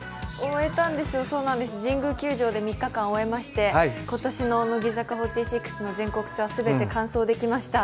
終えたんです、神宮球場で３日間終えまして、今年の乃木坂４６の全国ツアー、全て完走できました。